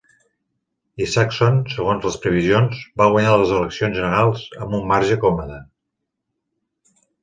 Isakson, segons les previsions, va guanyar les eleccions generals amb un marge còmode.